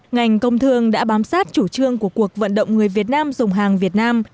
ngành công thương đã bám sát chủ trương của cuộc vận động người việt nam dùng hàng việt nam